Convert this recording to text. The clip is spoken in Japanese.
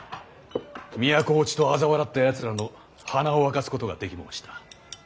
都落ちとあざ笑ったやつらの鼻を明かすことができ申した。